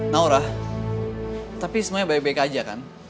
naura tapi semuanya baik baik aja kan